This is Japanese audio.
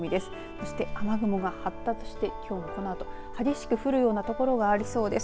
そして、雨雲が発達してきょうこのあと激しく降るような所がありそうです。